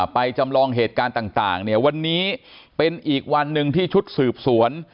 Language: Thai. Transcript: จำลองเหตุการณ์ต่างเนี่ยวันนี้เป็นอีกวันหนึ่งที่ชุดสืบสวน